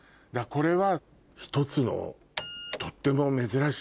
これは！